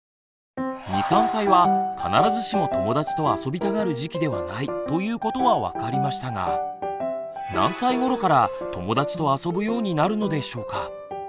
２３歳は必ずしも友だちと遊びたがる時期ではないということは分かりましたが何歳ごろから友だちと遊ぶようになるのでしょうか？